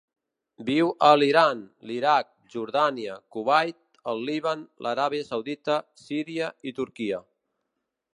Viu a l'Iran, l'Iraq, Jordània, Kuwait, el Líban, l'Aràbia Saudita, Síria i Turquia.